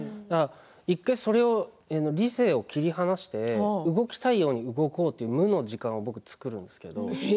１回、理性を切り離して動きたいように動こうという無の時間を作るんですね。